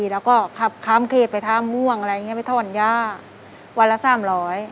แล้วก็ขับข้ามเขตไปท่าม่วงอะไรอย่างเงี้ไปถอนย่าวันละสามร้อย